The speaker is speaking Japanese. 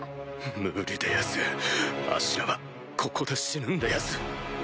無理でやすあっしらはここで死ぬんでやす。